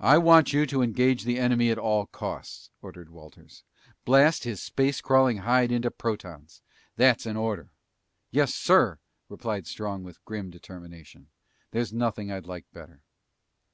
"I want you to engage the enemy at all costs!" ordered Walters. "Blast his space crawling hide into protons! That's an order!" "Yes, sir!" replied Strong with grim determination. "There's nothing I'd like better."